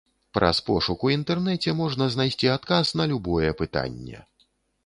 Праз пошук у інтэрнэце можна знайсці адказ на любое пытанне.